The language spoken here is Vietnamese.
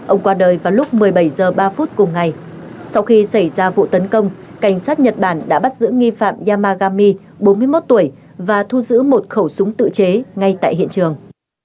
ông qua đời vào lúc một mươi bảy h ba cùng ngày sau khi xảy ra vụ tấn công cảnh sát nhật bản đã bắt giữ nghi phạm yamagami bốn mươi một tuổi và thu giữ một khẩu súng tự chế ngay tại hiện trường